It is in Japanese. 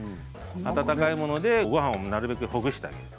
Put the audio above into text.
温かいものでごはんをなるべくほぐしてあげる。